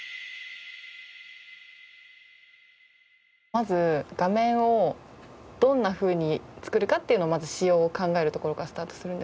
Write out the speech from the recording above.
まず画面をどんなふうに作るかっていうのをまず仕様を考えるところからスタートするんですけど。